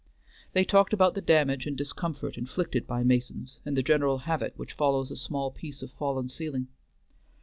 They talked about the damage and discomfort inflicted by masons, and the general havoc which follows a small piece of fallen ceiling.